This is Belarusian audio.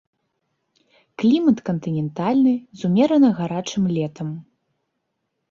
Клімат кантынентальны з умерана гарачым летам.